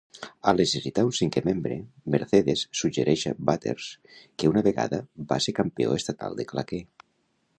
Al necessitar un cinquè membre, Mercedes suggereix a Butters, que una vegada va ser campió estatal de claqué.